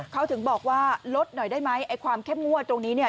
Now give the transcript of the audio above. เขาถึงบอกว่าลดหน่อยได้ไหมความแค่งั่วตรงนี้